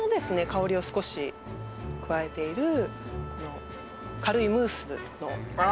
香りを少し加えているこの軽いムースのああ